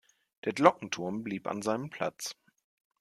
Der Glockenturm blieb an seinem Platz.